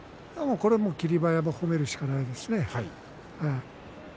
これはもう霧馬山を褒めるしかないですね。